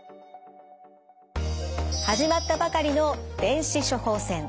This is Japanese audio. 始まったばかりの電子処方箋。